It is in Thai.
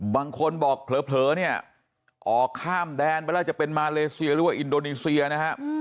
บางคนบอกเผลอเนี่ยออกข้ามแดนไปแล้วจะเป็นมาเลเซียหรือว่าอินโดนีเซียนะฮะ